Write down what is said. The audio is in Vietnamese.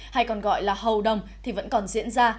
hay còn gọi là hầu đồng thì vẫn còn diễn ra